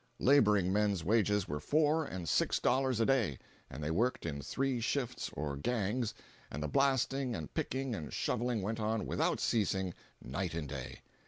Laboring men's wages were four and six dollars a day, and they worked in three "shifts" or gangs, and the blasting and picking and shoveling went on without ceasing, night and day.